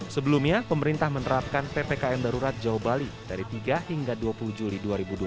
sebelumnya pemerintah menerapkan ppkm darurat jawa bali dari tiga hingga dua puluh juli dua ribu dua puluh